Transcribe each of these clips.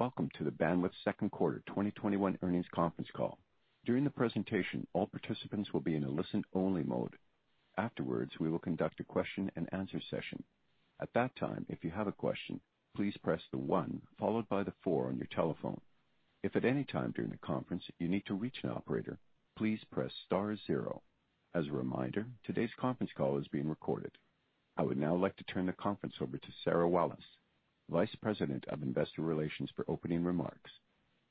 Welcome to the Bandwidth second quarter 2021 earnings conference call. During the presentation, all participants will be in a listen-only mode. Afterwards, we will conduct a question-and-answer session. At that time, if you have a question, please press the one followed by the four on your telephone. If at any time during the conference you need to reach an operator, please press star zero. As a reminder, today's conference call is being recorded. I would now like to turn the conference over to Sarah Walas, Vice President of Investor Relations for opening remarks.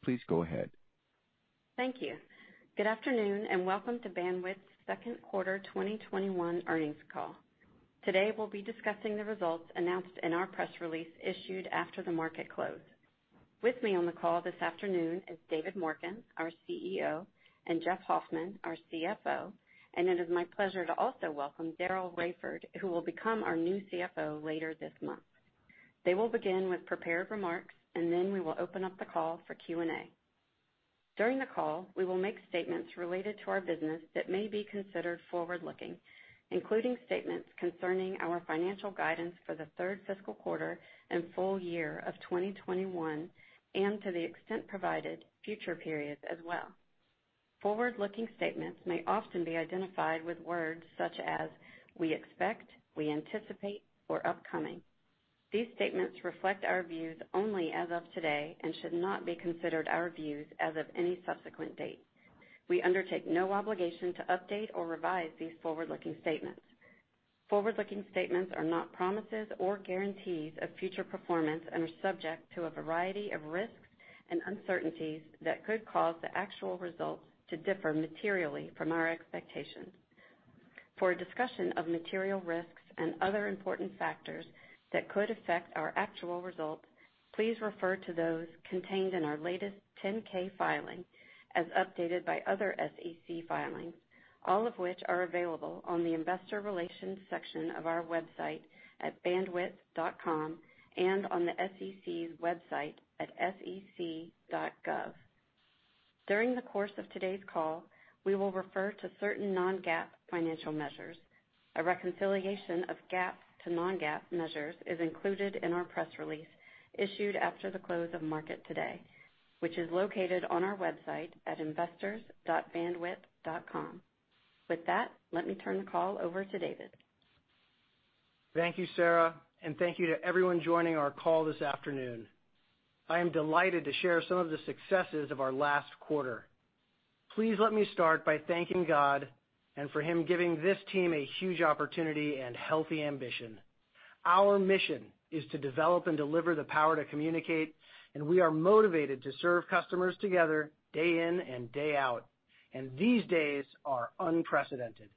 Please go ahead. Thank you. Good afternoon, and welcome to Bandwidth's second quarter 2021 earnings call. Today, we'll be discussing the results announced in our press release issued after the market closed. With me on the call this afternoon is David Morken, our CEO, and Jeff Hoffman, our CFO, and it is my pleasure to also welcome Daryl Raiford, who will become our new CFO later this month. They will begin with prepared remarks, and then we will open up the call for Q&A. During the call, we will make statements related to our business that may be considered forward-looking, including statements concerning our financial guidance for the third fiscal quarter and full year of 2021, and to the extent provided, future periods as well. Forward-looking statements may often be identified with words such as, we expect, we anticipate, or upcoming. These statements reflect our views only as of today and should not be considered our views as of any subsequent date. We undertake no obligation to update or revise these forward-looking statements. Forward-looking statements are not promises or guarantees of future performance and are subject to a variety of risks and uncertainties that could cause the actual results to differ materially from our expectations. For a discussion of material risks and other important factors that could affect our actual results, please refer to those contained in our latest 10-K filing, as updated by other SEC filings, all of which are available on the Investor Relations section of our website at bandwidth.com and on the SEC's website at sec.gov. During the course of today's call, we will refer to certain non-GAAP financial measures. A reconciliation of GAAP to non-GAAP measures is included in our press release issued after the close of market today, which is located on our website at investors.bandwidth.com. With that, let me turn the call over to David. Thank you, Sarah, and thank you to everyone joining our call this afternoon. I am delighted to share some of the successes of our last quarter. Please let me start by thanking God and for him giving this team a huge opportunity and healthy ambition. Our mission is to develop and deliver the power to communicate, and we are motivated to serve customers together day in and day out, and these days are unprecedented.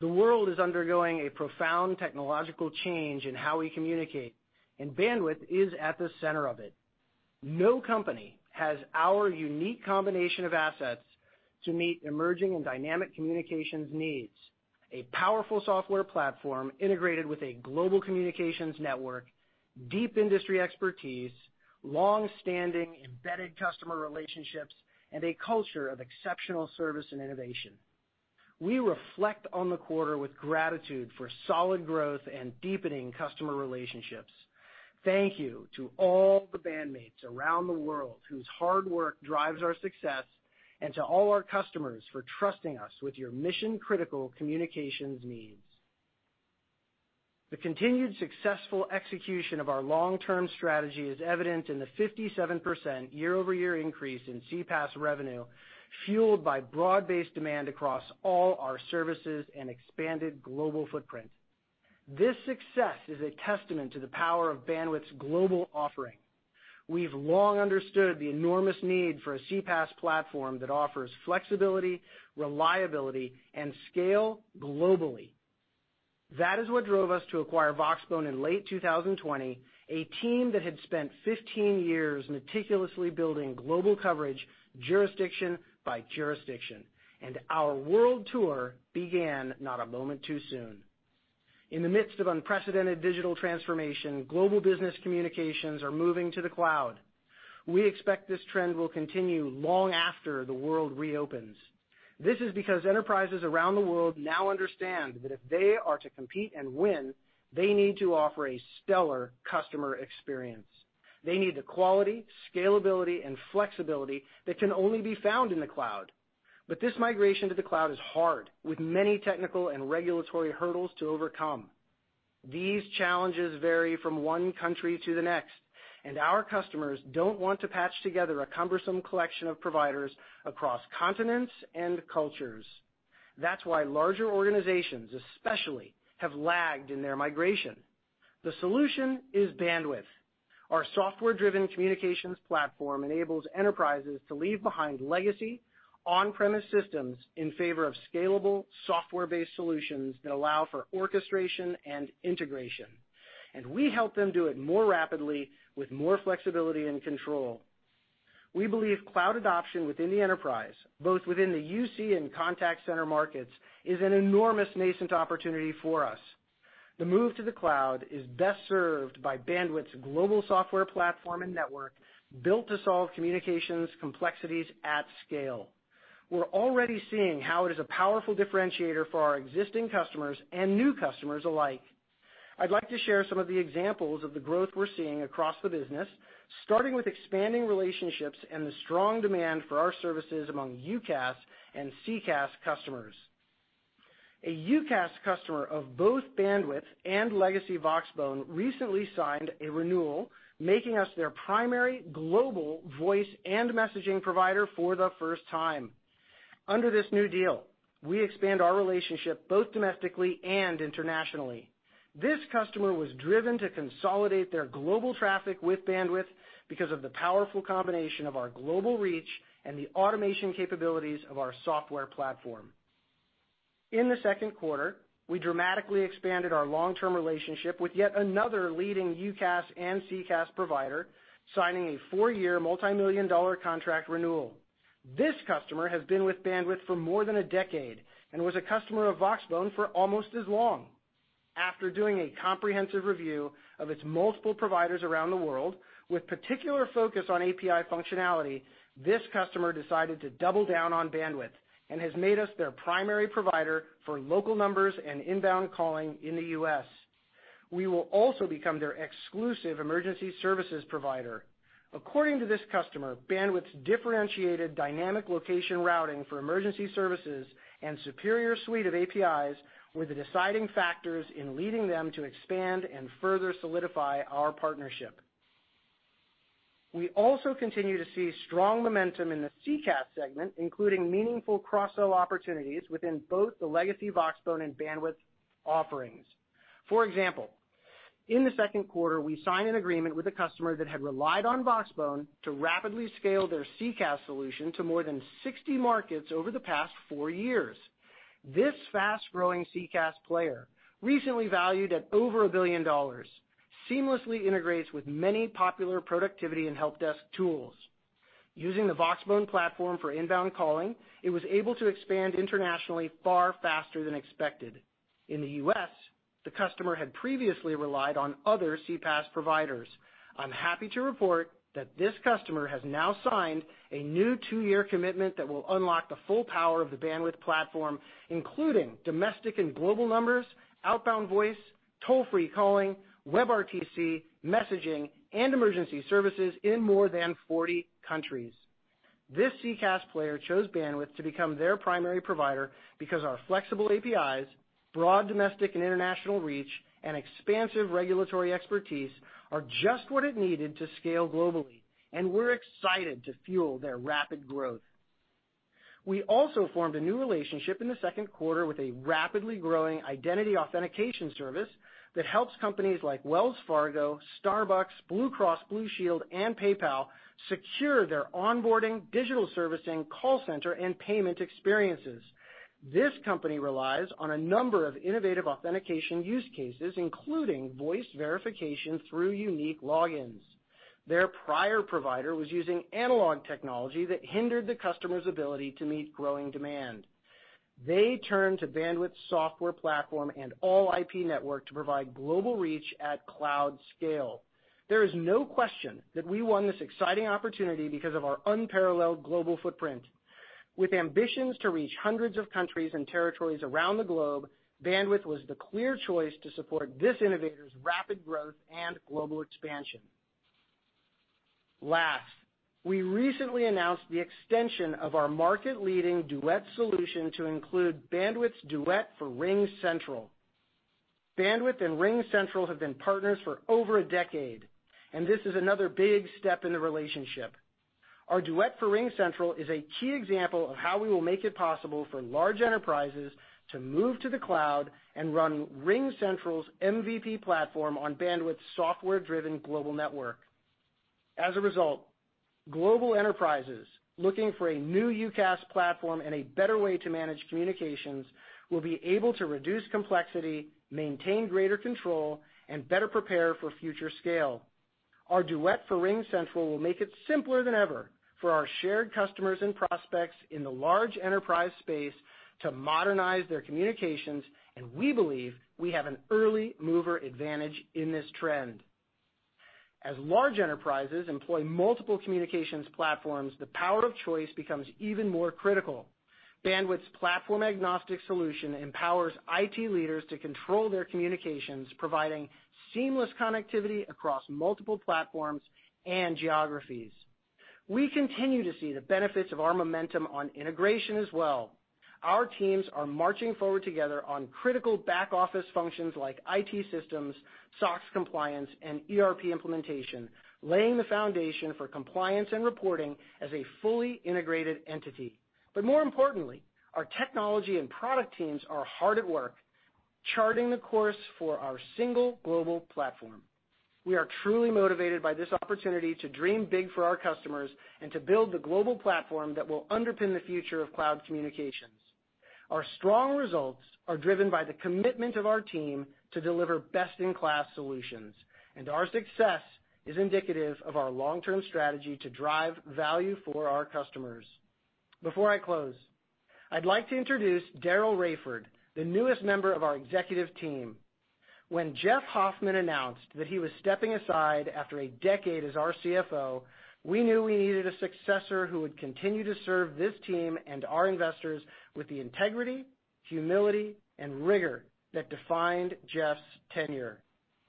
The world is undergoing a profound technological change in how we communicate, and Bandwidth is at the center of it. No company has our unique combination of assets to meet emerging and dynamic communications needs, a powerful software platform integrated with a global communications network, deep industry expertise, longstanding embedded customer relationships, and a culture of exceptional service and innovation. We reflect on the quarter with gratitude for solid growth and deepening customer relationships. Thank you to all the Bandmates around the world whose hard work drives our success and to all our customers for trusting us with your mission-critical communications needs. The continued successful execution of our long-term strategy is evident in the 57% year-over-year increase in CPaaS revenue, fueled by broad-based demand across all our services and expanded global footprint. This success is a testament to the power of Bandwidth's global offering. We've long understood the enormous need for a CPaaS platform that offers flexibility, reliability, and scale globally. That is what drove us to acquire Voxbone in late 2020, a team that had spent 15 years meticulously building global coverage jurisdiction by jurisdiction, and our world tour began not a moment too soon. In the midst of unprecedented digital transformation, global business communications are moving to the cloud. We expect this trend will continue long after the world reopens. This is because enterprises around the world now understand that if they are to compete and win, they need to offer a stellar customer experience. They need the quality, scalability, and flexibility that can only be found in the cloud. This migration to the cloud is hard, with many technical and regulatory hurdles to overcome. These challenges vary from one country to the next, and our customers don't want to patch together a cumbersome collection of providers across continents and cultures. That's why larger organizations especially have lagged in their migration. The solution is Bandwidth. Our software-driven communications platform enables enterprises to leave behind legacy on-premises systems in favor of scalable, software-based solutions that allow for orchestration and integration, and we help them do it more rapidly with more flexibility and control. We believe cloud adoption within the enterprise, both within the UC and contact center markets, is an enormous nascent opportunity for us. The move to the cloud is best served by Bandwidth's global software platform and network built to solve communications complexities at scale. We're already seeing how it is a powerful differentiator for our existing customers and new customers alike. I'd like to share some of the examples of the growth we're seeing across the business, starting with expanding relationships and the strong demand for our services among UCaaS and CCaaS customers. A UCaaS customer of both Bandwidth and legacy Voxbone recently signed a renewal, making us their primary global voice and messaging provider for the first time. Under this new deal, we expand our relationship both domestically and internationally. This customer was driven to consolidate their global traffic with Bandwidth because of the powerful combination of our global reach and the automation capabilities of our software platform. In the second quarter, we dramatically expanded our long-term relationship with yet another leading UCaaS and CCaaS provider, signing a four-year multimillion dollar contract renewal. This customer has been with Bandwidth for more than a decade and was a customer of Voxbone for almost as long. After doing a comprehensive review of its multiple providers around the world, with particular focus on API functionality, this customer decided to double down on Bandwidth and has made us their primary provider for local numbers and inbound calling in the U.S. We will also become their exclusive emergency services provider. According to this customer, Bandwidth's differentiated dynamic location routing for emergency services and superior suite of APIs were the deciding factors in leading them to expand and further solidify our partnership. We also continue to see strong momentum in the CCaaS segment, including meaningful cross-sell opportunities within both the legacy Voxbone and Bandwidth offerings. For example, in the second quarter, we signed an agreement with a customer that had relied on Voxbone to rapidly scale their CCaaS solution to more than 60 markets over the past four years. This fast-growing CCaaS player, recently valued at over $1 billion, seamlessly integrates with many popular productivity and help desk tools. Using the Voxbone platform for inbound calling, it was able to expand internationally far faster than expected. In the U.S., the customer had previously relied on other CCaaS providers. I'm happy to report that this customer has now signed a new two-year commitment that will unlock the full power of the Bandwidth platform, including domestic and global numbers, outbound voice, toll-free calling, WebRTC, messaging, and emergency services in more than 40 countries. This CCaaS player chose Bandwidth to become their primary provider because our flexible APIs, broad domestic and international reach, and expansive regulatory expertise are just what it needed to scale globally. We're excited to fuel their rapid growth. We also formed a new relationship in the second quarter with a rapidly growing identity authentication service that helps companies like Wells Fargo, Starbucks, Blue Cross Blue Shield, and PayPal secure their onboarding, digital servicing, call center, and payment experiences. This company relies on a number of innovative authentication use cases, including voice verification through unique logins. Their prior provider was using analog technology that hindered the customer's ability to meet growing demand. They turned to Bandwidth's software platform and all IP network to provide global reach at cloud scale. There is no question that we won this exciting opportunity because of our unparalleled global footprint. With ambitions to reach hundreds of countries and territories around the globe, Bandwidth was the clear choice to support this innovator's rapid growth and global expansion. Last, we recently announced the extension of our market-leading Duet solution to include Bandwidth's Duet for RingCentral. Bandwidth and RingCentral have been partners for over a decade, and this is another big step in the relationship. Our Duet for RingCentral is a key example of how we will make it possible for large enterprises to move to the cloud and run RingCentral's MVP platform on Bandwidth's software-driven global network. As a result, global enterprises looking for a new UCaaS platform and a better way to manage communications will be able to reduce complexity, maintain greater control, and better prepare for future scale. Our Duet for RingCentral will make it simpler than ever for our shared customers and prospects in the large enterprise space to modernize their communications. We believe we have an early mover advantage in this trend. As large enterprises employ multiple communications platforms, the power of choice becomes even more critical. Bandwidth's platform-agnostic solution empowers IT leaders to control their communications, providing seamless connectivity across multiple platforms and geographies. We continue to see the benefits of our momentum on integration as well. Our teams are marching forward together on critical back-office functions like IT systems, SOX compliance, and ERP implementation, laying the foundation for compliance and reporting as a fully integrated entity. More importantly, our technology and product teams are hard at work charting the course for our single global platform. We are truly motivated by this opportunity to dream big for our customers and to build the global platform that will underpin the future of cloud communications. Our strong results are driven by the commitment of our team to deliver best-in-class solutions, and our success is indicative of our long-term strategy to drive value for our customers. Before I close, I'd like to introduce Daryl Raiford, the newest member of our executive team. When Jeff Hoffman announced that he was stepping aside after a decade as our CFO, we knew we needed a successor who would continue to serve this team and our investors with the integrity, humility, and rigor that defined Jeff's tenure.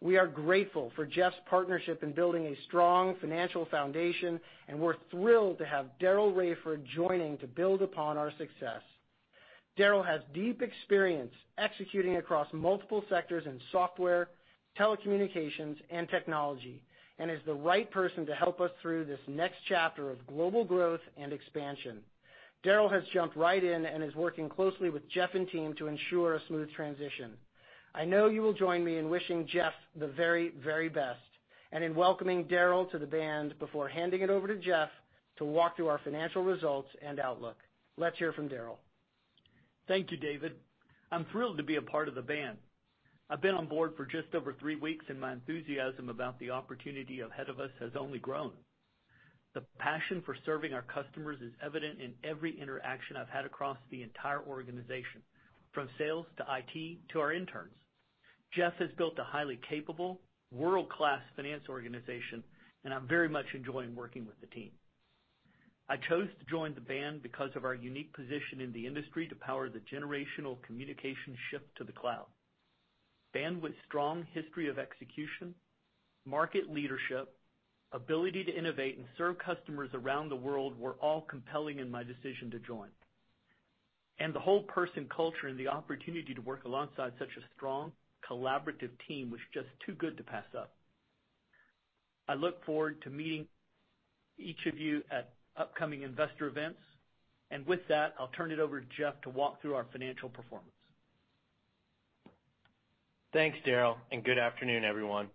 We are grateful for Jeff's partnership in building a strong financial foundation, and we're thrilled to have Daryl Raiford joining to build upon our success. Daryl Raiford has deep experience executing across multiple sectors in software, telecommunications, and technology, and is the right person to help us through this next chapter of global growth and expansion. Daryl Raiford has jumped right in and is working closely with Jeff and team to ensure a smooth transition. I know you will join me in wishing Jeff the very best, and in welcoming Daryl Raiford to Bandwidth before handing it over to Jeff to walk through our financial results and outlook. Let's hear from Daryl. Thank you, David. I'm thrilled to be a part of the band. I've been on board for just over three weeks, and my enthusiasm about the opportunity ahead of us has only grown. The passion for serving our customers is evident in every interaction I've had across the entire organization, from sales to IT to our interns. Jeff has built a highly capable, world-class finance organization, and I'm very much enjoying working with the team. I chose to join the band because of our unique position in the industry to power the generational communication shift to the cloud. Bandwidth's strong history of execution, market leadership, ability to innovate and serve customers around the world were all compelling in my decision to join. The whole person culture and the opportunity to work alongside such a strong, collaborative team was just too good to pass up. I look forward to meeting each of you at upcoming investor events. With that, I'll turn it over to Jeff to walk through our financial performance. Thanks, Daryl, and good afternoon, everyone.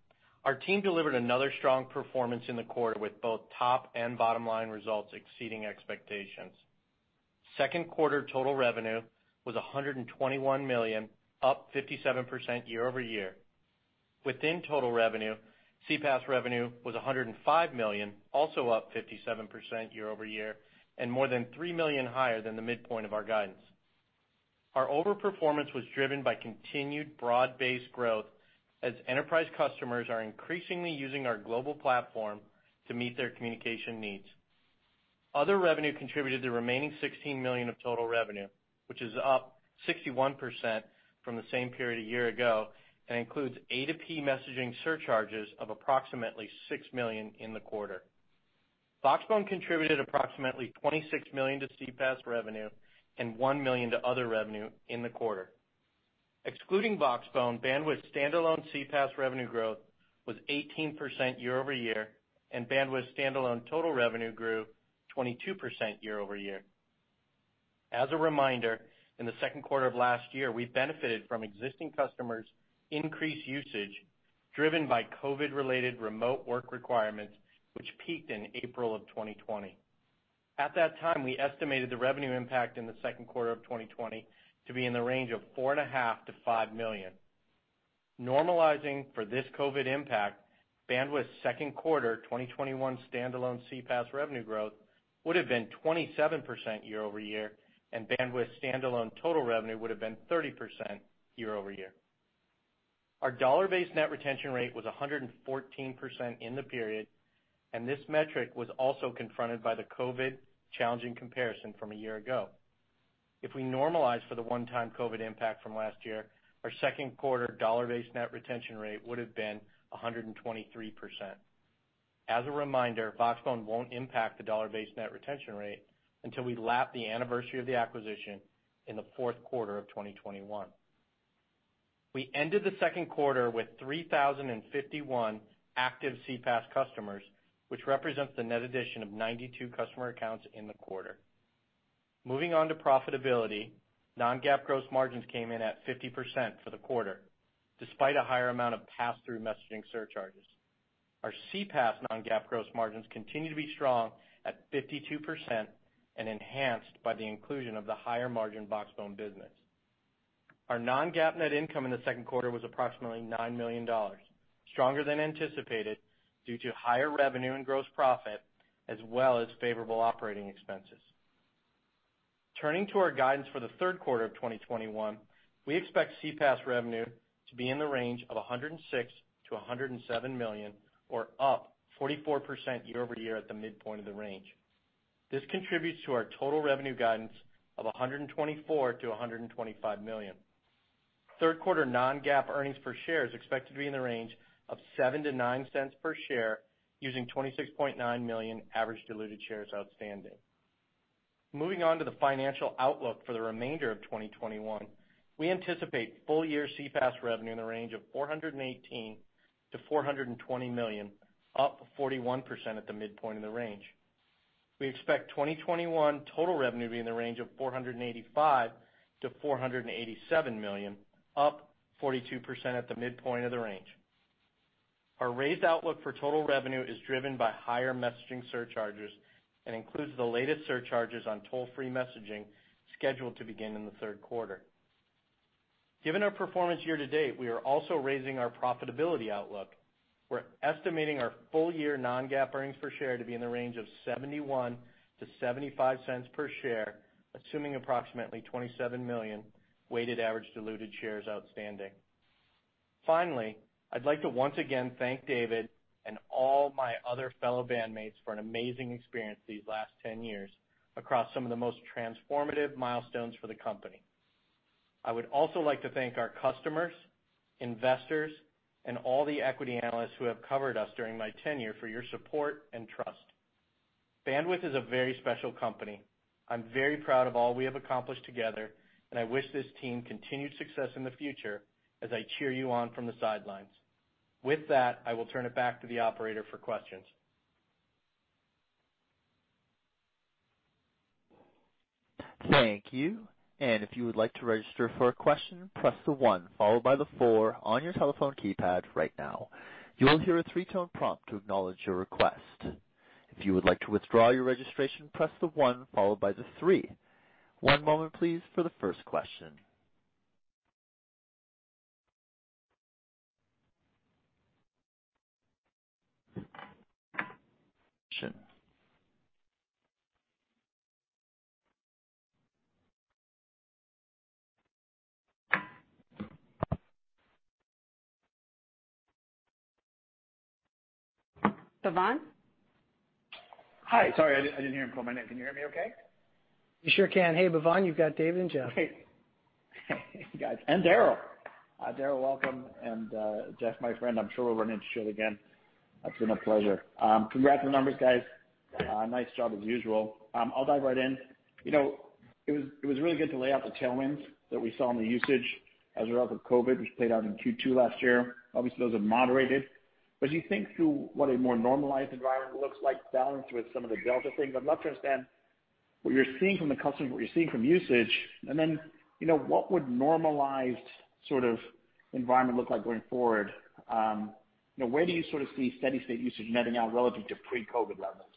Our team delivered another strong performance in the quarter, with both top and bottom line results exceeding expectations. Second quarter total revenue was $121 million, up 57% year-over-year. Within total revenue, CPaaS revenue was $105 million, also up 57% year-over-year, and more than $3 million higher than the midpoint of our guidance. Our over-performance was driven by continued broad-based growth as enterprise customers are increasingly using our global platform to meet their communication needs. Other revenue contributed to the remaining $16 million of total revenue, which is up 61% from the same period a year ago and includes A2P messaging surcharges of approximately $6 million in the quarter. Voxbone contributed approximately $26 million to CPaaS revenue and $1 million to other revenue in the quarter. Excluding Voxbone, Bandwidth's standalone CPaaS revenue growth was 18% year-over-year. Bandwidth's standalone total revenue grew 22% year-over-year. As a reminder, in the second quarter of last year, we benefited from existing customers' increased usage, driven by COVID-related remote work requirements, which peaked in April of 2020. At that time, we estimated the revenue impact in the second quarter of 2020 to be in the range of $4.5 Million-$5 million. Normalizing for this COVID impact, Bandwidth's second quarter 2021 standalone CPaaS revenue growth would've been 27% year-over-year. Bandwidth's standalone total revenue would've been 30% year-over-year. Our dollar-based net retention rate was 114% in the period. This metric was also confronted by the COVID challenging comparison from a year-ago. If we normalize for the one-time COVID impact from last year, our second quarter dollar-based net retention rate would've been 123%. As a reminder, Voxbone won't impact the dollar-based net retention rate until we lap the anniversary of the acquisition in the fourth quarter of 2021. We ended the second quarter with 3,051 active CPaaS customers, which represents the net addition of 92 customer accounts in the quarter. Moving on to profitability, non-GAAP gross margins came in at 50% for the quarter, despite a higher amount of pass-through messaging surcharges. Our CPaaS non-GAAP gross margins continue to be strong at 52% and enhanced by the inclusion of the higher margin Voxbone business. Our non-GAAP net income in the second quarter was approximately $9 million, stronger than anticipated due to higher revenue and gross profit, as well as favorable operating expenses. Turning to our guidance for the third quarter of 2021, we expect CPaaS revenue to be in the range of $106 million-$107 million or up 44% year-over-year at the midpoint of the range. This contributes to our total revenue guidance of $124 million-$125 million. Third quarter non-GAAP earnings per share is expected to be in the range of $0.07-$0.09 per share, using 26.9 million average diluted shares outstanding. Moving on to the financial outlook for the remainder of 2021, we anticipate full year CPaaS revenue in the range of $418 million-$420 million, up 41% at the midpoint of the range. We expect 2021 total revenue to be in the range of $485 million-$487 million, up 42% at the midpoint of the range. Our raised outlook for total revenue is driven by higher messaging surcharges and includes the latest surcharges on toll-free messaging scheduled to begin in the third quarter. Given our performance year to date, we are also raising our profitability outlook. We're estimating our full year non-GAAP earnings per share to be in the range of $0.71-$0.75 per share, assuming approximately 27 million weighted average diluted shares outstanding. Finally, I'd like to once again thank David and all my other fellow band mates for an amazing experience these last 10 years across some of the most transformative milestones for the company. I would also like to thank our customers, investors, and all the equity analysts who have covered us during my tenure for your support and trust. Bandwidth is a very special company. I'm very proud of all we have accomplished together, and I wish this team continued success in the future as I cheer you on from the sidelines. With that, I will turn it back to the operator for questions. Thank you. If you would like to register for a question, press one followed by four on your telephone keypad right now. You will hear a three-tone prompt to acknowledge your request. If you would like to withdraw your registration, press one followed by three. One moment, please, for the first question. Bhavan? Hi. Sorry, I didn't hear him call my name. Can you hear me okay? We sure can. Hey, Bhavan, you've got David and Jeff. Hey guys. Daryl. Daryl, welcome, and Jeff, my friend, I'm sure we'll run into each other again. It's been a pleasure. Congrats on the numbers, guys. Nice job as usual. I'll dive right in. It was really good to lay out the tailwinds that we saw in the usage as a result of COVID, which played out in Q2 last year. Obviously, those have moderated. As you think through what a more normalized environment looks like balanced with some of the delta things, I'd love to understand what you're seeing from the customers, what you're seeing from usage, what would normalized sort of environment look like going forward? Where do you sort of see steady state usage netting out relative to pre-COVID levels?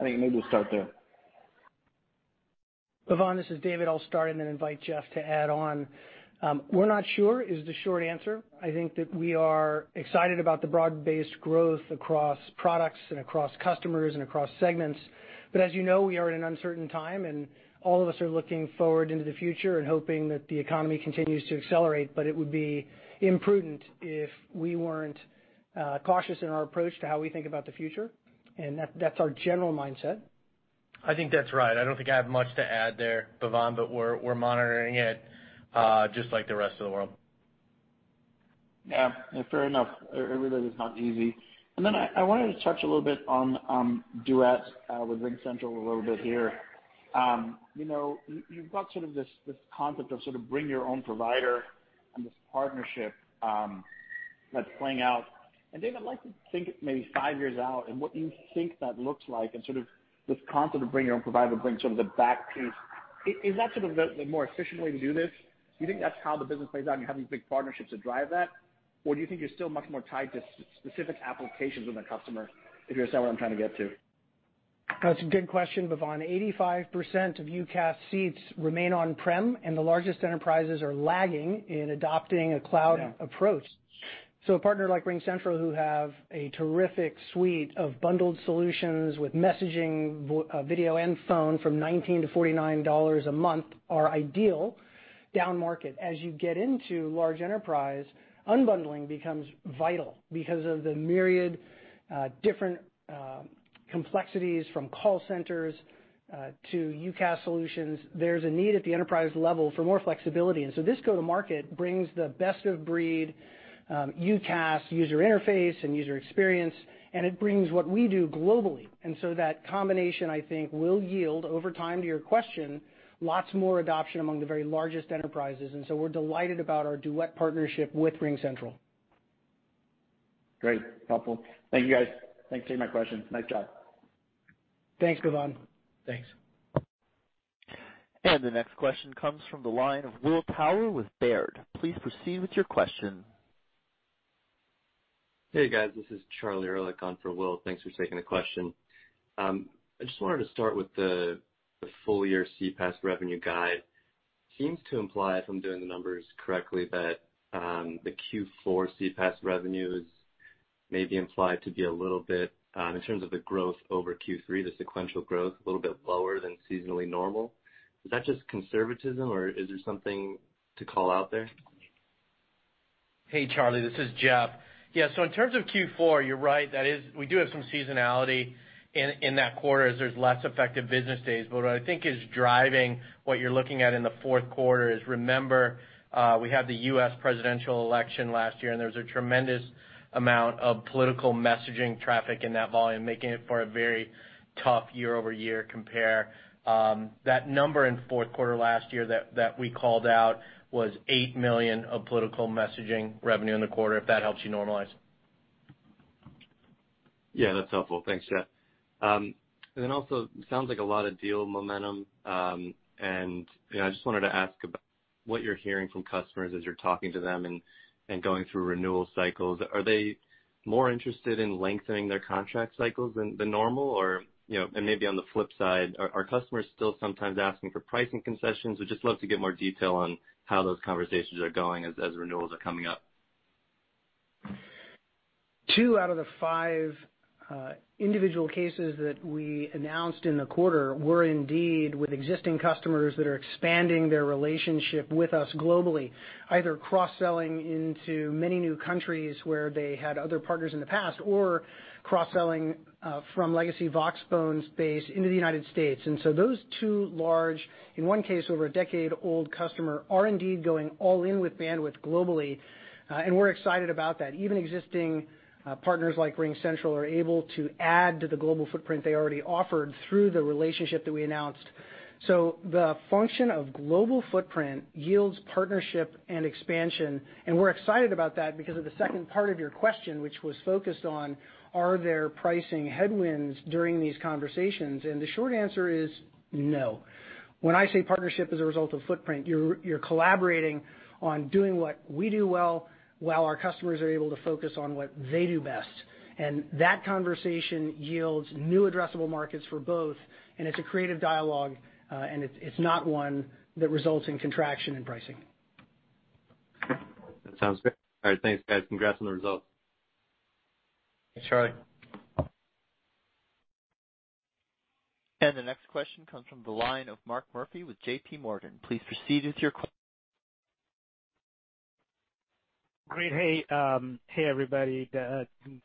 I think maybe we'll start there. Bhavan, this is David. I'll start and then invite Jeff to add on. We're not sure is the short answer. I think that we are excited about the broad-based growth across products and across customers and across segments. As you know, we are in an uncertain time, and all of us are looking forward into the future and hoping that the economy continues to accelerate. It would be imprudent if we weren't cautious in our approach to how we think about the future, and that's our general mindset. I think that's right. I don't think I have much to add there, Bhavan. We're monitoring it, just like the rest of the world. Yeah. Fair enough. It really is not easy. Then I wanted to touch a little bit on Duet with RingCentral a little bit here. You've got this concept of bring your own provider and this partnership that's playing out. David, I'd like to think maybe five years out and what you think that looks like and this concept of bring your own provider brings the back piece. Is that sort of the more efficient way to do this? Do you think that's how the business plays out and you have these big partnerships that drive that? Do you think you're still much more tied to specific applications with a customer, if you understand what I'm trying to get to? That's a good question, Bhavan. 85% of UCaaS seats remain on-prem, and the largest enterprises are lagging in adopting a cloud approach. A partner like RingCentral, who have a terrific suite of bundled solutions with messaging, video, and phone from $19 to $49 a month, are ideal down-market. As you get into large enterprise, unbundling becomes vital because of the myriad different complexities from call centers to UCaaS solutions. There's a need at the enterprise level for more flexibility, this go to market brings the best of breed UCaaS user interface and user experience, and it brings what we do globally. That combination, I think, will yield over time, to your question, lots more adoption among the very largest enterprises. We're delighted about our Duet partnership with RingCentral. Great. Helpful. Thank you, guys. Thanks for taking my questions. Nice job. Thanks, Bhavan. Thanks. The next question comes from the line of Will Power with Baird. Please proceed with your question. Hey, guys, this is Charlie Erlikh on for Will. Thanks for taking the question. I just wanted to start with the full year CPaaS revenue guide. Seems to imply, if I'm doing the numbers correctly, that the Q4 CPaaS revenues may be implied to be a little bit, in terms of the growth over Q3, the sequential growth, a little bit lower than seasonally normal. Is that just conservatism, or is there something to call out there? Hey, Charlie. This is Jeff. Yeah, in terms of Q4, you're right. We do have some seasonality in that quarter as there's less effective business days. What I think is driving what you're looking at in the fourth quarter is, remember, we had the U.S. presidential election last year, and there was a tremendous amount of political messaging traffic in that volume, making it for a very tough year-over-year compare. That number in fourth quarter last year that we called out was $8 million of political messaging revenue in the quarter, if that helps you normalize. Yeah, that's helpful. Thanks, Jeff. Sounds like a lot of deal momentum. I just wanted to ask about what you're hearing from customers as you're talking to them and going through renewal cycles. Are they more interested in lengthening their contract cycles than normal? Maybe on the flip side, are customers still sometimes asking for pricing concessions? I'd just love to get more detail on how those conversations are going as renewals are coming up. Two out of the five individual cases that we announced in the quarter were indeed with existing customers that are expanding their relationship with us globally, either cross-selling into many new countries where they had other partners in the past, or cross-selling from legacy Voxbone space into the U.S. Those two large, in one case, over a decade-old customer, are indeed going all in with Bandwidth globally, and we're excited about that. Even existing partners like RingCentral are able to add to the global footprint they already offered through the relationship that we announced. The function of global footprint yields partnership and expansion, and we're excited about that because of the second part of your question, which was focused on, are there pricing headwinds during these conversations? The short answer is no. When I say partnership as a result of footprint, you're collaborating on doing what we do well while our customers are able to focus on what they do best. That conversation yields new addressable markets for both, and it's a creative dialogue, and it's not one that results in contraction in pricing. That sounds good. All right. Thanks, guys. Congrats on the results. Thanks, Charlie. The next question comes from the line of Mark Murphy with JPMorgan. Please proceed with your que. Great. Hey, everybody.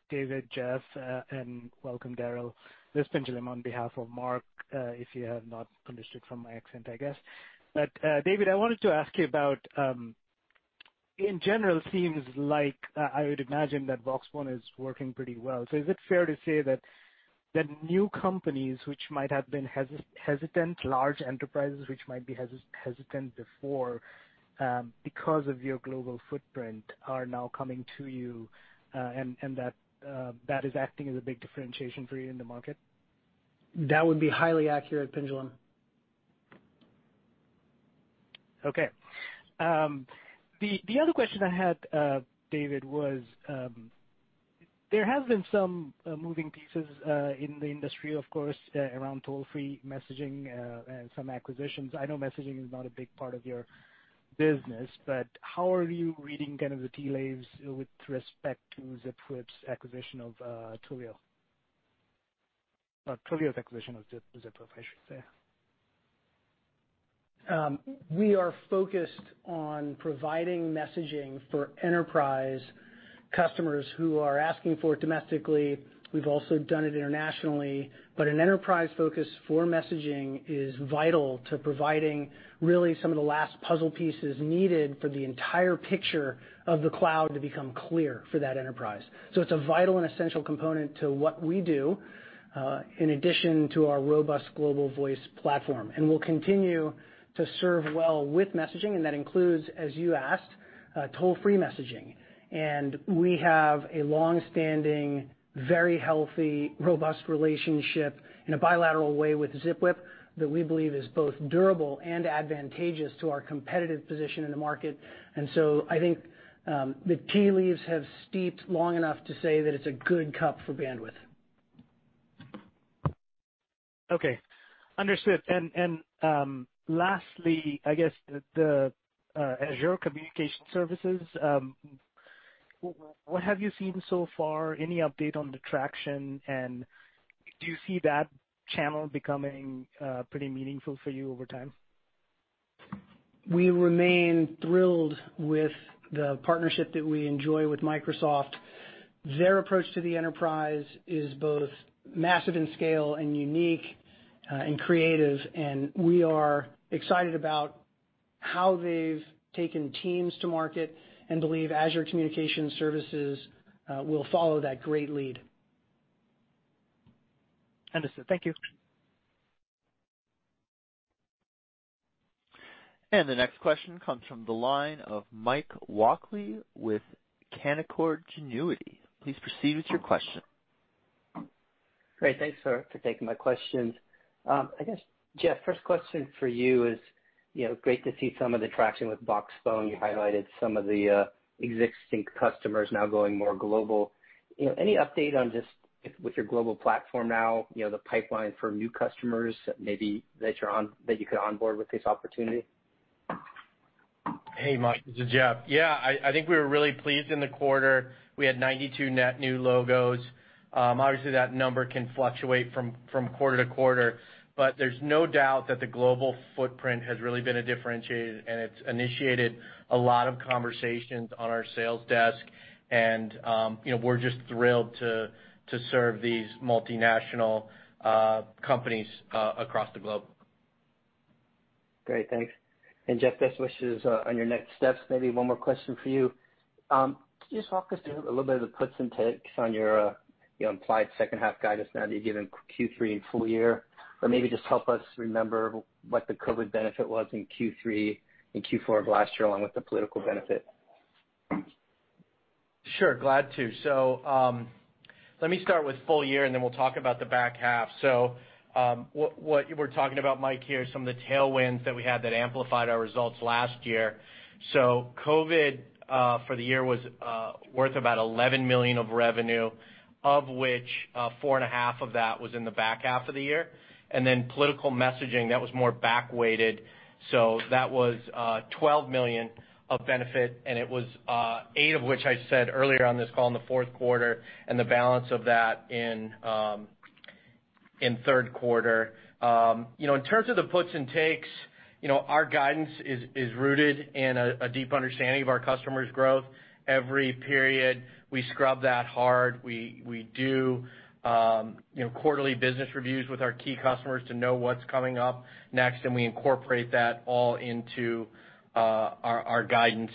David, Jeff, and welcome, Daryl. This is Pinjalim on behalf of Mark, if you have not understood from my accent, I guess. David, I wanted to ask you about, in general, seems like I would imagine that Voxbone is working pretty well. Is it fair to say that new companies, which might have been hesitant, large enterprises which might be hesitant before, because of your global footprint, are now coming to you, and that is acting as a big differentiation for you in the market? That would be highly accurate, Pendulum. Okay. The other question I had, David, was, there have been some moving pieces in the industry, of course, around toll-free messaging, and some acquisitions. I know messaging is not a big part of your business, but how are you reading kind of the tea leaves with respect to Zipwhip's acquisition of Twilio? Or Twilio's acquisition of Zipwhip, I should say. We are focused on providing messaging for enterprise customers who are asking for it domestically. We've also done it internationally, but an enterprise focus for messaging is vital to providing really some of the last puzzle pieces needed for the entire picture of the cloud to become clear for that enterprise. It's a vital and essential component to what we do, in addition to our robust global voice platform. We'll continue to serve well with messaging, and that includes, as you asked, toll-free messaging. We have a long-standing, very healthy, robust relationship in a bilateral way with Zipwhip that we believe is both durable and advantageous to our competitive position in the market. I think, the tea leaves have steeped long enough to say that it's a good cup for Bandwidth. Okay. Understood. Lastly, I guess, the Azure Communication Services, what have you seen so far? Any update on the traction? Do you see that channel becoming pretty meaningful for you over time? We remain thrilled with the partnership that we enjoy with Microsoft. Their approach to the enterprise is both massive in scale and unique and creative. We are excited about how they've taken Teams to market and believe Azure Communication Services will follow that great lead. Understood. Thank you. The next question comes from the line of Mike Walkley with Canaccord Genuity. Please proceed with your question. Great. Thanks for taking my questions. I guess, Jeff, first question for you is, great to see some of the traction with Voxbone. You highlighted some of the existing customers now going more global. Any update on just with your global platform now, the pipeline for new customers, maybe that you could onboard with this opportunity? Hey, Mike. This is Jeff. Yeah, I think we were really pleased in the quarter. We had 92 net new logos. Obviously, that number can fluctuate from quarter-to-quarter. There's no doubt that the global footprint has really been a differentiator. It's initiated a lot of conversations on our sales desk. We're just thrilled to serve these multinational companies across the globe. Great. Thanks. Jeff, this question is on your next steps, maybe one more question for you. Can you just walk us through a little bit of the puts and takes on your implied second half guidance now that you're giving Q3 and full year? Maybe just help us remember what the COVID benefit was in Q3 and Q4 of last year, along with the political benefit. Let me start with full year, and then we'll talk about the back half. What we're talking about, Mike, here, is some of the tailwinds that we had that amplified our results last year. COVID for the year was worth about $11 million of revenue. Of which $4.5 million Of that was in the back half of the year, and then political messaging, that was more back-weighted. That was $12 million of benefit, and it was eight of which I said earlier on this call in the fourth quarter, and the balance of that in third quarter. In terms of the puts and takes, our guidance is rooted in a deep understanding of our customers' growth. Every period, we scrub that hard. We do quarterly business reviews with our key customers to know what's coming up next. We incorporate that all into our guidance.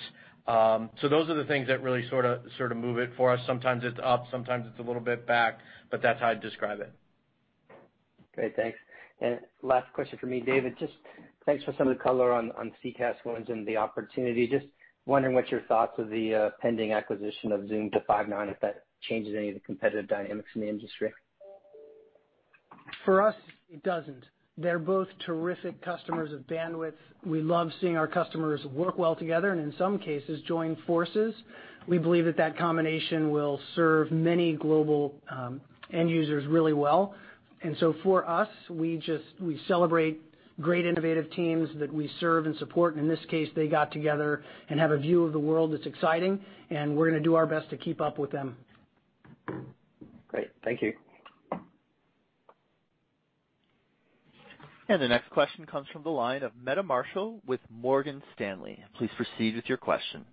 Those are the things that really sort of move it for us. Sometimes it's up, sometimes it's a little bit back. That's how I'd describe it. Great. Thanks. Last question from me, David, just thanks for some of the color on CCaaS wins and the opportunity. Just wondering what your thoughts of the pending acquisition of Zoom to Five9, if that changes any of the competitive dynamics in the industry. For us, it doesn't. They're both terrific customers of Bandwidth. We love seeing our customers work well together, and in some cases, join forces. We believe that that combination will serve many global end users really well. For us, we celebrate great innovative teams that we serve and support. In this case, they got together and have a view of the world that's exciting, and we're going to do our best to keep up with them. Great. Thank you. The next question comes from the line of Meta Marshall with Morgan Stanley. Please proceed with your question.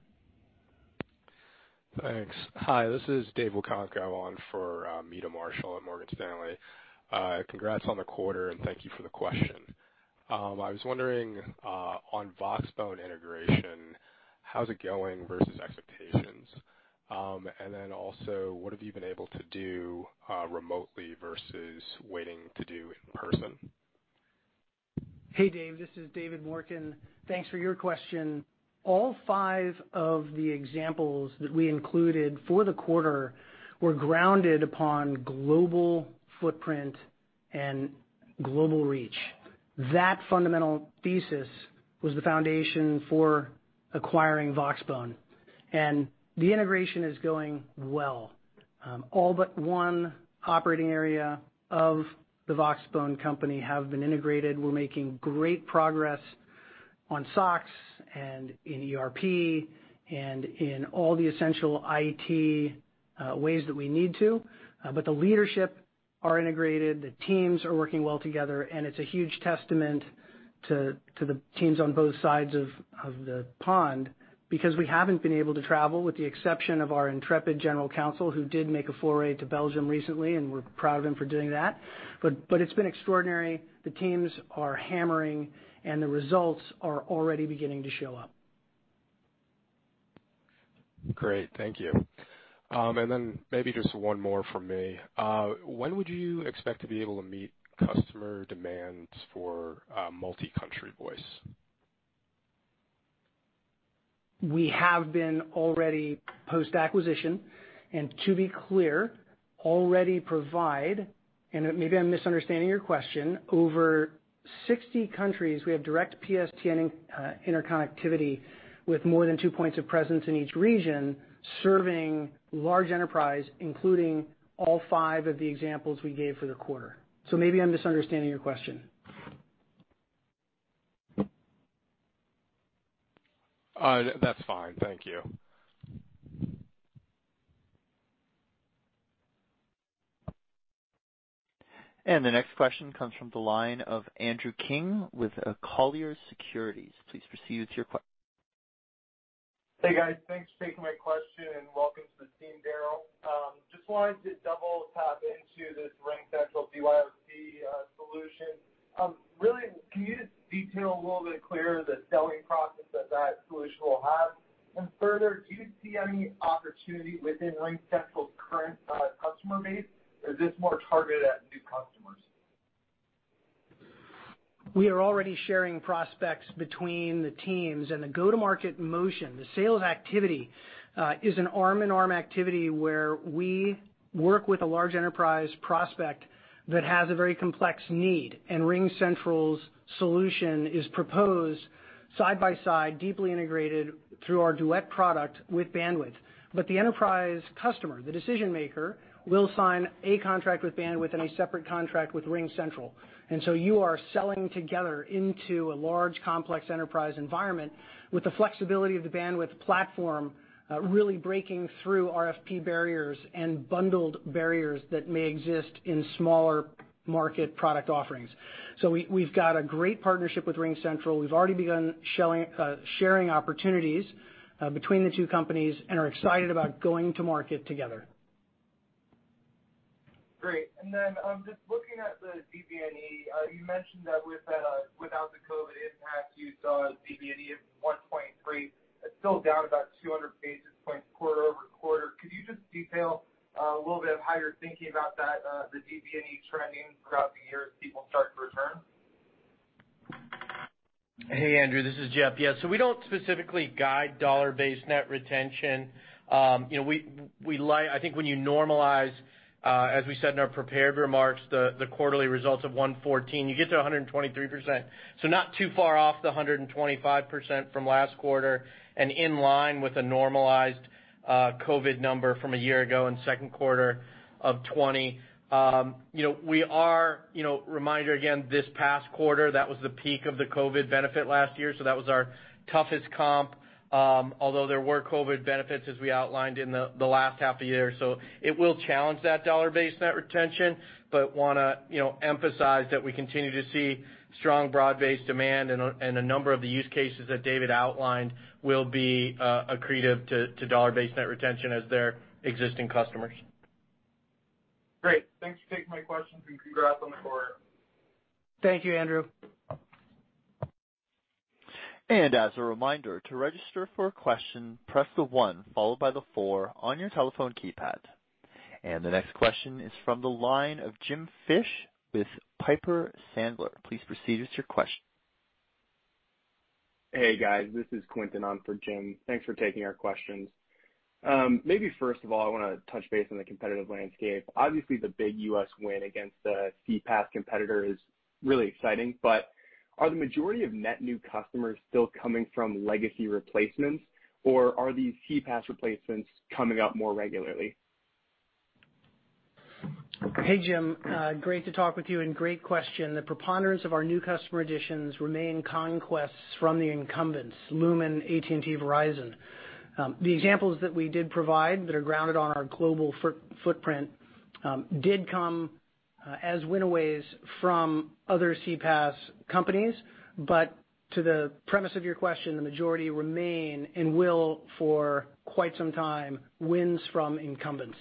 Thanks. Hi, this is Dave Nwokonko. I'm on for Meta Marshall at Morgan Stanley. Congrats on the quarter, and thank you for the question. I was wondering, on Voxbone integration, how's it going versus expectations? Also, what have you been able to do remotely versus waiting to do in person? Hey, Dave, this is David Morken. Thanks for your question. All five of the examples that we included for the quarter were grounded upon global footprint and global reach. That fundamental thesis was the foundation for acquiring Voxbone, the integration is going well. All but one operating area of the Voxbone company have been integrated. We're making great progress on SOX and in ERP and in all the essential IT ways that we need to. The leadership are integrated, the teams are working well together, and it's a huge testament to the teams on both sides of the pond. Because we haven't been able to travel, with the exception of our intrepid general counsel, who did make a foray to Belgium recently, and we're proud of him for doing that. It's been extraordinary. The teams are hammering, the results are already beginning to show up. Great. Thank you. Then maybe just one more from me. When would you expect to be able to meet customer demands for multi-country voice? We have been already post-acquisition, and to be clear, already provide, and maybe I'm misunderstanding your question, over 60 countries, we have direct PSTN interconnectivity with more than two points of presence in each region, serving large enterprise, including all 5 of the examples we gave for the quarter. Maybe I'm misunderstanding your question. That's fine. Thank you. The next question comes from the line of Andrew King with Colliers Securities. Please proceed with your question. Hey, guys. Thanks for taking my question, and welcome to the team, Daryl. Just wanted to double tap into this RingCentral BYOC solution. Really, can you just detail a little bit clearer the selling process that solution will have? Further, do you see any opportunity within RingCentral's current customer base, or is this more targeted at new customers? We are already sharing prospects between the teams, and the go-to-market motion, the sales activity, is an arm-in-arm activity where we work with a large enterprise prospect that has a very complex need, and RingCentral's solution is proposed side by side, deeply integrated through our Duet product with Bandwidth. The enterprise customer, the decision-maker, will sign a contract with Bandwidth and a separate contract with RingCentral. You are selling together into a large, complex enterprise environment with the flexibility of the Bandwidth platform, really breaking through RFP barriers and bundled barriers that may exist in smaller market product offerings. We've got a great partnership with RingCentral. We've already begun sharing opportunities between the two companies and are excited about going to market together. Great. Just looking at the DBNE, you mentioned that without the COVID impact, you saw DBNE of 1.3. It's still down about 200 basis points quarter-over-quarter. Could you just detail a little bit of how you're thinking about that, the DBNE trending throughout the year as people start to return? Hey, Andrew, this is Jeff. Yeah. We don't specifically guide dollar-based net retention. I think when you normalize, as we said in our prepared remarks, the quarterly results of 114, you get to 123%. Not too far off the 125% from last quarter and in line with a normalized-COVID number from a year ago in second quarter of 2020. Reminder again, this past quarter, that was the peak of the COVID benefit last year, that was our toughest comp. Although there were COVID benefits as we outlined in the last half of the year. It will challenge that dollar-based net retention, but want to emphasize that we continue to see strong broad-based demand and a number of the use cases that David outlined will be accretive to dollar-based net retention as their existing customers. Great. Thanks for taking my questions, and congrats on the quarter. Thank you, Andrew. The next question is from the line of Jim Fish with Piper Sandler. Please proceed with your question. Hey, guys, this is Quinton on for Jim. Thanks for taking our questions. Maybe first of all, I want to touch base on the competitive landscape. Obviously, the big U.S. win against the CPaaS competitor is really exciting. Are the majority of net new customers still coming from legacy replacements, or are these CPaaS replacements coming up more regularly? Hey, Jim. Great to talk with you and great question. The preponderance of our new customer additions remain conquests from the incumbents, Lumen, AT&T, Verizon. The examples that we did provide that are grounded on our global footprint did come as win-aways from other CPaaS companies. To the premise of your question, the majority remain, and will for quite some time, wins from incumbents.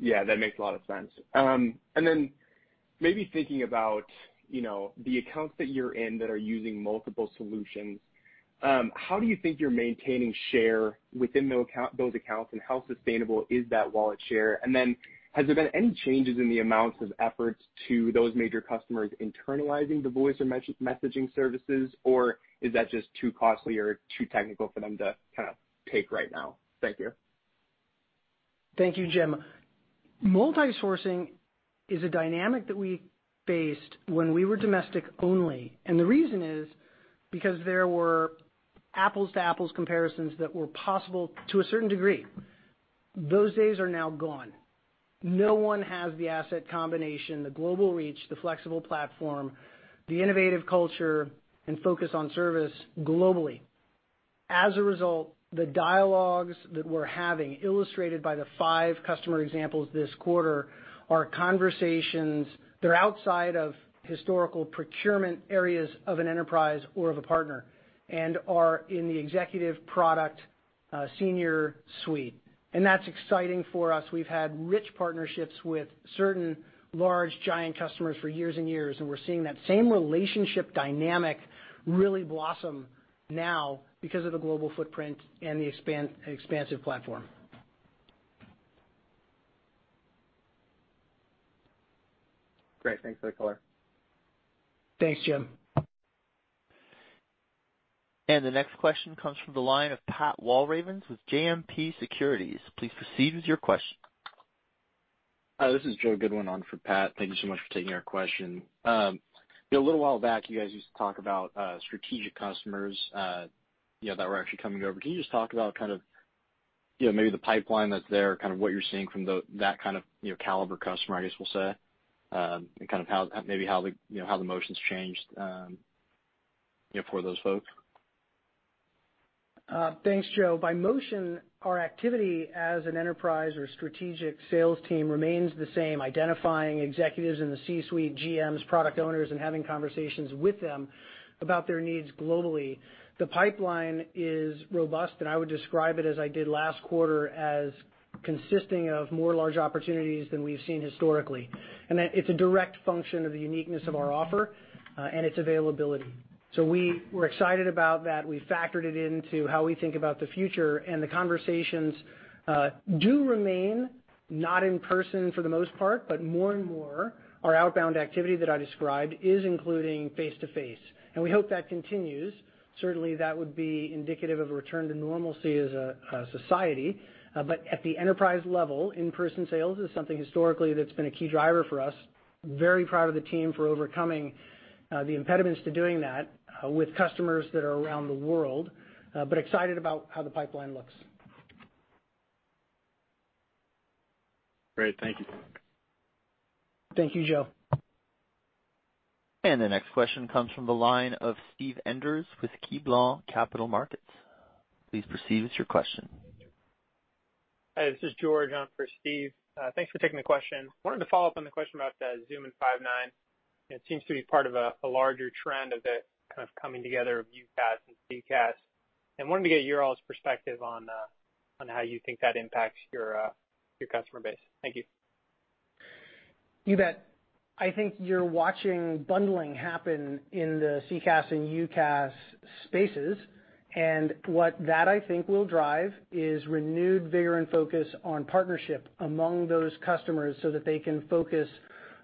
Yeah, that makes a lot of sense. Maybe thinking about the accounts that you're in that are using multiple solutions, how do you think you're maintaining share within those accounts, and how sustainable is that wallet share? Has there been any changes in the amounts of efforts to those major customers internalizing the voice or messaging services, or is that just too costly or too technical for them to take right now? Thank you. Thank you, Jim. Multi-sourcing is a dynamic that we faced when we were domestic only, and the reason is because there were apples to apples comparisons that were possible to a certain degree. Those days are now gone. No one has the asset combination, the global reach, the flexible platform, the innovative culture, and focus on service globally. As a result, the dialogues that we're having, illustrated by the five customer examples this quarter, are conversations that are outside of historical procurement areas of an enterprise or of a partner, and are in the executive product senior suite. That's exciting for us. We've had rich partnerships with certain large giant customers for years and years, and we're seeing that same relationship dynamic really blossom now because of the global footprint and the expansive platform. Great. Thanks for the color. Thanks, Jim. The next question comes from the line of Pat Walravens with JMP Securities. Please proceed with your question. Hi, this is Joe Goodwin on for Pat. Thank you so much for taking our question. A little while back, you guys used to talk about strategic customers that were actually coming over. Can you just talk about maybe the pipeline that's there, what you're seeing from that kind of caliber customer, I guess we'll say, and maybe how the motion's changed for those folks? Thanks, Joe. By motion, our activity as an enterprise or strategic sales team remains the same, identifying executives in the C-suite, GMs, product owners, and having conversations with them about their needs globally. The pipeline is robust, and I would describe it as I did last quarter as consisting of more large opportunities than we've seen historically, and that it's a direct function of the uniqueness of our offer and its availability. We're excited about that. We factored it into how we think about the future. The conversations do remain not in person for the most part, but more and more our outbound activity that I described is including face-to-face, and we hope that continues. Certainly, that would be indicative of a return to normalcy as a society. At the enterprise level, in-person sales is something historically that's been a key driver for us. Very proud of the team for overcoming the impediments to doing that with customers that are around the world, but excited about how the pipeline looks. Great. Thank you. Thank you, Joe. The next question comes from the line of Steve Enders with KeyBanc Capital Markets. Please proceed with your question. Hi, this is George on for Steve. Thanks for taking the question. Wanted to follow up on the question about Zoom and Five9. It seems to be part of a larger trend of the kind of coming together of UCaaS and CCaaS, and wanted to get your all's perspective on how you think that impacts your customer base. Thank you. You bet. I think you're watching bundling happen in the CCaaS and UCaaS spaces, what that, I think, will drive is renewed vigor and focus on partnership among those customers so that they can focus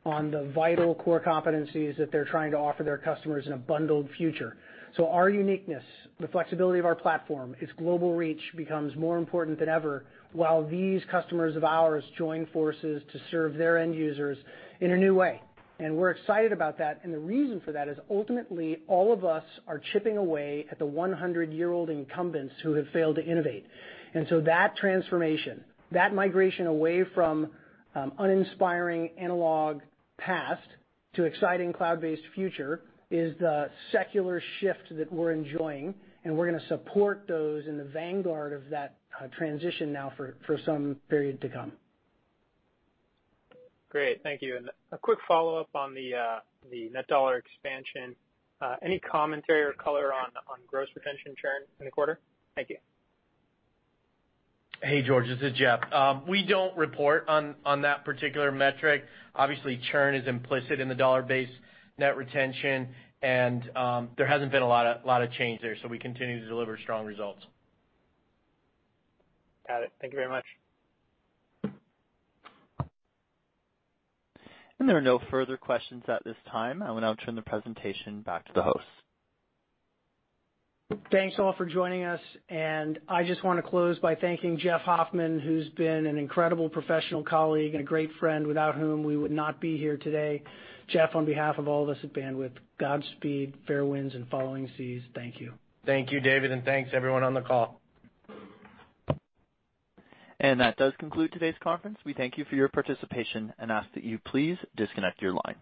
on the vital core competencies that they're trying to offer their customers in a bundled future. Our uniqueness, the flexibility of our platform, its global reach becomes more important than ever while these customers of ours join forces to serve their end users in a new way. We're excited about that, and the reason for that is ultimately all of us are chipping away at the 100-year-old incumbents who have failed to innovate. That transformation, that migration away from uninspiring analog past to exciting cloud-based future, is the secular shift that we're enjoying, and we're going to support those in the vanguard of that transition now for some period to come. Great. Thank you. A quick follow-up on the net dollar expansion. Any commentary or color on gross retention churn in the quarter? Thank you. Hey, George. This is Jeff. We don't report on that particular metric. Obviously, churn is implicit in the dollar-based net retention, and there hasn't been a lot of change there, so we continue to deliver strong results. Got it. Thank you very much. There are no further questions at this time. I will now turn the presentation back to the host. Thanks, all, for joining us. I just want to close by thanking Jeff Hoffman, who's been an incredible professional colleague and a great friend without whom we would not be here today. Jeff, on behalf of all of us at Bandwidth, Godspeed, fair winds and following seas. Thank you. Thank you, David, and thanks, everyone on the call. That does conclude today's conference. We thank you for your participation and ask that you please disconnect your line.